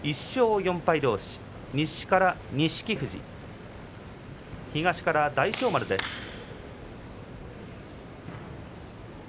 １勝４敗どうし、西から錦富士東から大翔丸です。